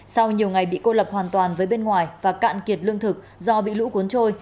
sau nhiều ngày bị cô lập hoàn toàn với bên ngoài và cạn kiệt lương thực do bị lũ cuốn trôi